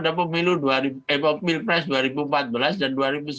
pada pemilu epoch milpres dua ribu empat belas dan dua ribu sembilan belas